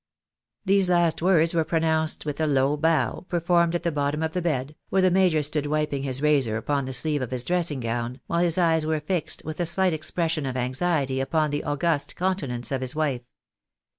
These last words were pronounced with a low bow, performed at the bottom of the bed, where the major stood wiping his razor upon the sleeve of his dressing gown, while his eyes were fixed with a slight expression of anxiety upon the august countenance of his wife.